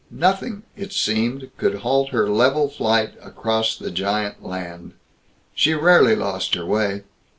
Nothing, it seemed, could halt her level flight across the giant land. She rarely lost her way.